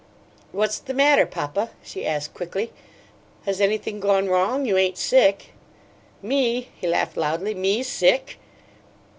"What's the matter, papa?" she asked, quickly. "Has anything gone wrong? You ain't sick?" "Me!" He laughed loudly. "Me SICK?"